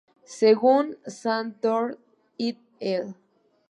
Según "Sanderson et al.